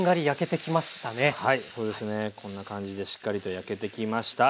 こんな感じでしっかりと焼けてきました。